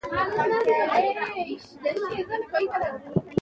د هنر مانا او محتوا د وخت سره تغیر کړی دئ.